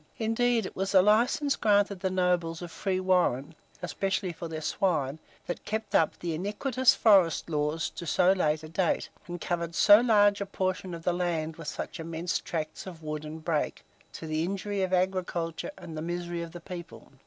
Indeed, it was the license granted the nobles of free warren, especially for their swine, that kept up the iniquitous forest laws to so late a date, and covered so large a portion of the land with such immense tracts of wood and brake, to the injury of agriculture and the misery of the people.